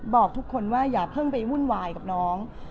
บอกทุกคนว่าอย่าเพิ่งไปวุ่นวายกับน้อง